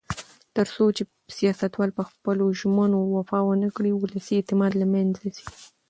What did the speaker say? تر څو چې سیاستوال په خپلو ژمنو وفا ونکړي، ولسي اعتماد له منځه ځي.